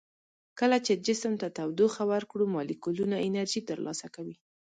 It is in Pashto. کله چې جسم ته تودوخه ورکړو مالیکولونه انرژي تر لاسه کوي.